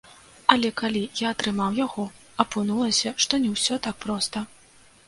Але калі я атрымаў яго, апынулася, што не ўсё так проста.